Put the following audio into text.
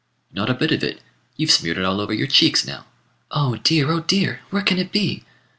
"Not a bit of it. You've smeared it all over your cheeks now." "Oh dear! oh dear! where can it be?"